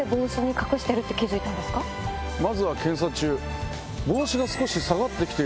まずは検査中。